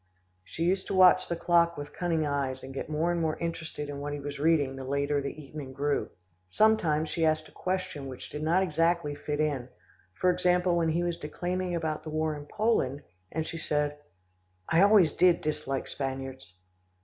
She used to watch the clock with cunning eyes, and get more and more interested in what he was reading, the later the evening grew. Sometimes, she asked a question which did not exactly fit in, for example when he was declaiming about the war in Poland, and she said, "I always did dislike Spaniards."